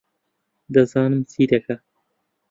دەزانم چی دەکا